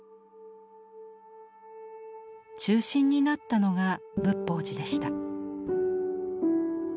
中心になったのが仏法寺でした。